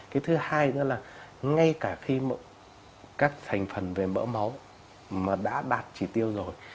cái thứ hai nữa là ngay cả khi các thành phần về mỡ máu mà đã đạt chỉ tiêu rồi